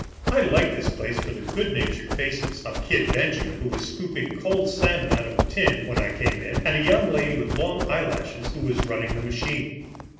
I liked this place for the good natured faces of "Kid" Benjamin, who was scooping cold salmon out of a can when I came in, and a young lady with long eyelashes, who was running the machine.